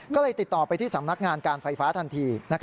ก็เลยติดต่อไปที่สำนักงานการไฟฟ้าทันที